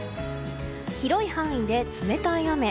広い範囲で冷たい雨。